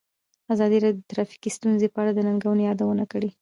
ازادي راډیو د ټرافیکي ستونزې په اړه د ننګونو یادونه کړې.